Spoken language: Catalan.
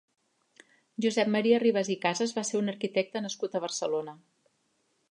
Josep Maria Ribas i Casas va ser un arquitecte nascut a Barcelona.